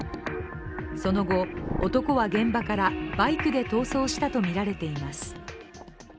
その後、男は現場からバイクで逃走したとみられています。